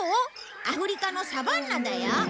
アフリカのサバンナだよ。